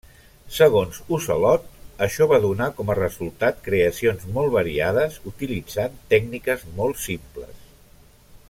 Segons Ocelot, això va donar com a resultat creacions molt variades utilitzant tècniques molt simples.